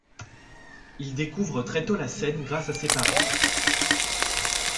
Il découvre très tôt la scène grâce à ses parents.